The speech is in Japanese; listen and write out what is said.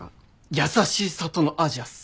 「優しい里の亜細亜」っす。